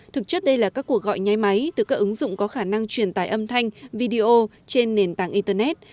thực chất đây là các cuộc gọi nháy máy từ các ứng dụng có khả năng truyền tải âm thanh video trên nền tảng internet